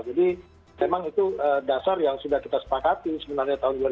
jadi memang itu dasar yang sudah kita sepakati sebenarnya tahun dua ribu enam belas